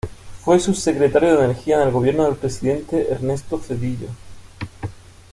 Fue sub-secretario de Energía en el gobierno del Presidente Ernesto Zedillo.